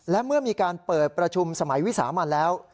และเมื่อมีการเปิดประชุมสมัยวิสามันแล้ว